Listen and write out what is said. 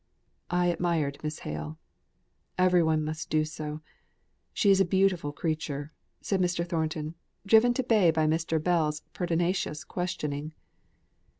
"I admired Miss Hale. Every one must do so. She is a beautiful creature," said Mr. Thornton, driven to bay by Mr. Bell's pertinacious questioning.